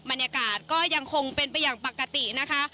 บรรยากาศก็ยังคงเป็นไปอย่างปกตินะคะ